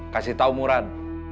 kasih tau muran